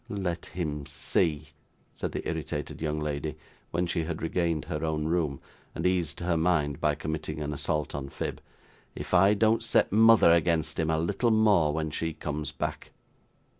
'Let him see,' said the irritated young lady, when she had regained her own room, and eased her mind by committing an assault on Phib, 'if I don't set mother against him a little more when she comes back!